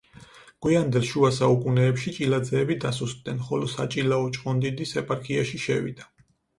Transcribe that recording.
გვიანდელ შუა საუკუნეებში ჭილაძეები დასუსტდნენ, ხოლო საჭილაო ჭყონდიდის ეპარქიაში შევიდა.